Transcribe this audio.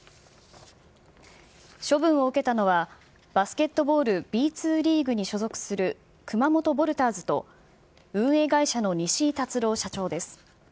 処分を受けたのは、バスケットボールＢ２リーグに所属する熊本ヴォルターズと、運営会社の西井辰朗社長です。